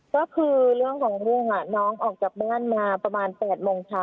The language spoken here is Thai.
ก็คือเรื่องของลูกน้องออกจากบ้านมาประมาณ๘โมงเช้า